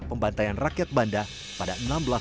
pembantaian rakyat banda pada seribu enam ratus tujuh puluh